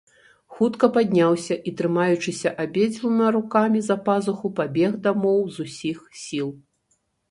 Хутка падняўся і, трымаючыся абедзвюма рукамі за пазуху, пабег дамоў з усіх сіл.